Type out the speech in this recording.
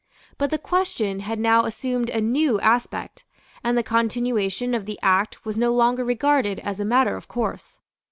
But the question had now assumed a new aspect; and the continuation of the Act was no longer regarded as a matter of course.